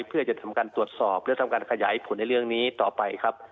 เพื่อจะทำการตรวจสอบและทำการขยายผลในเรื่องนี้ต่อไปครับ